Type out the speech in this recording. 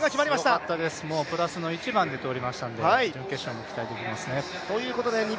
すごかったです、プラスの１番で通りましたので、準決勝にも期待ができますね。